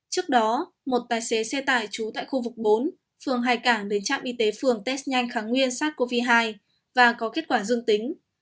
trước đó một tài xế xe tải trú tại khu vực bốn phường hai cảng đến trạm y tế phường test nhanh kháng nguyên sars cov hai và có kết quả dương tính